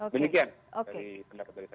demikian dari pendapat dari saya